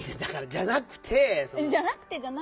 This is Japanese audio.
「じゃなくて」じゃなくて！